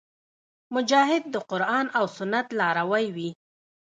مجاهد د قرآن او سنت لاروی وي.